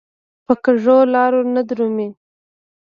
په کږو لارو نه درومي.